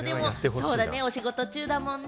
そうだね、お仕事中だもんね。